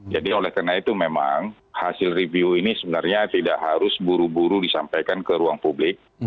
jadi oleh karena itu memang hasil review ini sebenarnya tidak harus buru buru disampaikan ke ruang publik